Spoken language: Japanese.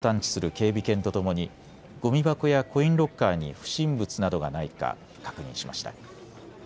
警視庁の警察官が爆発物を探知する警備犬とともにごみ箱やコインロッカーに不審物などがないか確認しました。